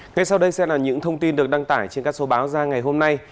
ngay sau đây sẽ là những thông tin được đăng tải trên các số báo ra ngày hôm nay